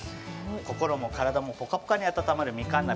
心も体もポカポカに温まるみかん鍋。